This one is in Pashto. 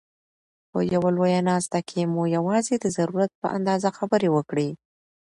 په یوه لویه ناست کښي مو یوازي د ضرورت په اندازه خبري وکړئ!